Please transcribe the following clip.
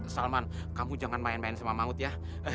salman kamu jangan main main sama maut ya